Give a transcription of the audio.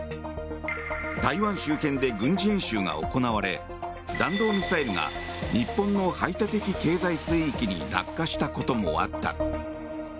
台湾周辺で軍事演習が行われ弾道ミサイルが日本の排他的経済水域に落下したこともあった。